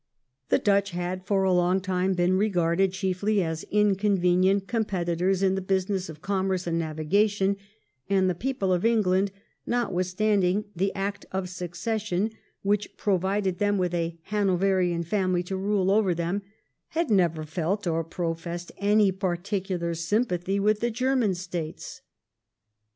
The Dutch had for a long time been regarded chiefly as inconvenient competitors in the business of commerce and navigation, and the people of England, notwithstanding the Act of Succession which provided them with a Hanoverian family to rule over them, had never felt or professed any particular sympathy with the German States.